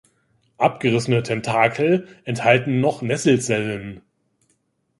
Abgerissene Tentakel enthalten noch Nesselzellen.